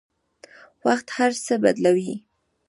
وخت هر څه بدلوي.